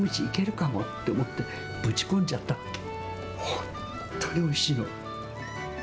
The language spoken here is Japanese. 本当においしいの。